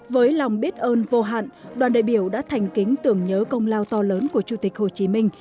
với lòng biết ơn vô hạn đoàn đại biểu đã thành kính tưởng nhớ công lao to lớn của chủ tịch hồ chí minh